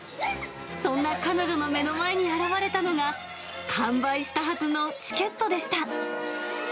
そんな彼女の目の前に現れたのが、完売したはずのチケットでした。